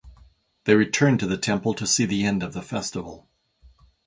They returned to the temple to see the end of the festival.